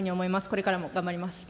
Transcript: これからも頑張ります。